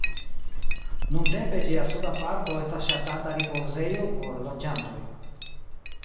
Nuntempe ĝia suda parto estas ŝatata ripozejo por loĝantoj.